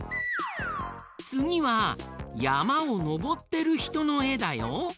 つぎはやまをのぼってるひとのえだよ。